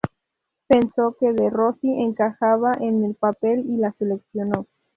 Pensó que De Rossi encajaba en el papel y la seleccionó.